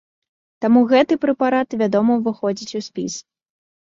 Таму гэты прэпарат, вядома, уваходзіць у спіс.